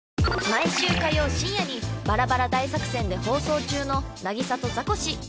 毎週火曜深夜にバラバラ大作戦で放送中の『凪咲とザコシ』